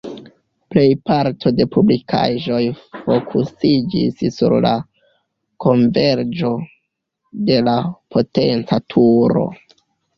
Plej parto de publikaĵoj fokusiĝis sur la konverĝo de la potenca turo.